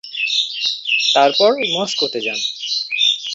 তারপর মস্কোতে যান।